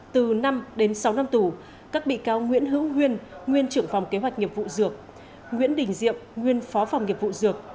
từ năm đến sáu năm tù các bị cáo nguyễn hữu huyên nguyên trưởng phòng kế hoạch nghiệp vụ dược nguyễn đình diệm nguyên phó phòng nghiệp vụ dược